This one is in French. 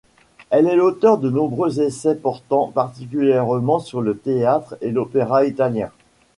Elle est l'auteur de nombreux essais portant particulièrement sur le théâtre et l'opéra italien.